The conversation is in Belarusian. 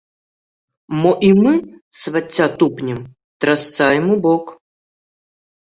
Мо і мы, свацця, тупнем, трасца ім у бок?